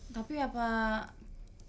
tapi apa telepati kumisiknya